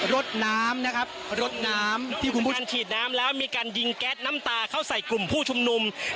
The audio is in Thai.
รถน้ำนะครับรถน้ำที่คุณผู้ชมฉีดน้ำแล้วมีการยิงแก๊สน้ำตาเข้าใส่กลุ่มผู้ชุมนุม